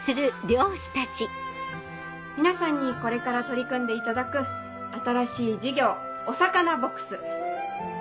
皆さんにこれから取り組んでいただく新しい事業お魚ボックス。